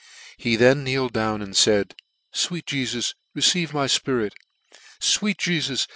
He then kneeled down, and faid, ft fweet Jefus !" receive my fpirit ; fweet Jefus